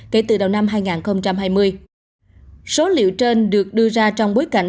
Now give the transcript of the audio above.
kể từ đầu năm hai nghìn hai mươi số liệu trên được đưa ra trong bối cảnh